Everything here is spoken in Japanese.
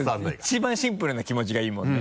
一番シンプルな気持ちがいいもんね。